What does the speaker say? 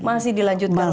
masih dilanjutkan lagi